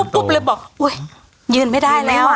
ปุ๊บเลยบอกอุ๊ยยืนไม่ได้แล้ว